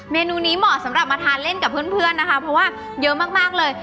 เมนูนี้เหมาะสำหรับมาทานเล่นกับเพื่อนนะคะเพราะว่าเยอะมากเลย